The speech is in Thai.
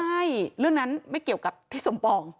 ใช่เรื่องนั้นไม่เกี่ยวกับทิศสมปอง